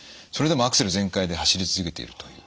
それでもアクセル全開で走り続けていると。